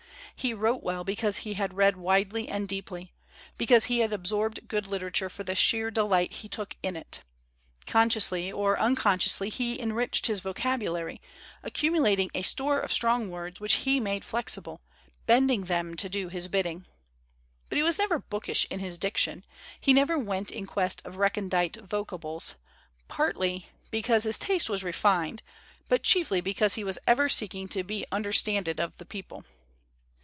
He wrote well be cause he had read widely and deeply, because he had absorbed good literature for the sheer delight he took in it. Consciously or uncon sciously he enriched his vocabulary, accumulat ing a store of strong words which he made flexi ble, bending them to do his bidding. But he was never bookish in his diction; he never went in quest of recondite vocables, partly because his taste was refined but chiefly because he was ever seeking to be "understanded of the peo ple."